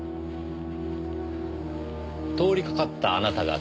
通りかかったあなたが救出した。